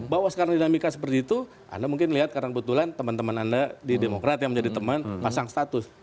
bahwa sekarang dinamika seperti itu anda mungkin lihat karena kebetulan teman teman anda di demokrat yang menjadi teman pasang status